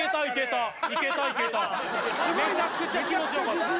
いけたいけためちゃくちゃ気持ちよかった